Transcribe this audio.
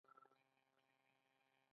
د ژبې کمزوري د ملت کمزوري ده.